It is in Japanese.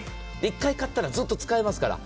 １回買ったらずっと使えますから。